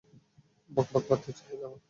বকবক বাদ দিয়ে চলো বাবা।